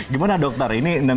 gimana dokter ini ini